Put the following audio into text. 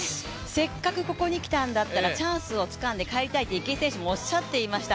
せっかくここに来たんだったらチャンスをつかんで帰りたいと池江選手もおっしゃっていました。